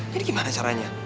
jadi gimana caranya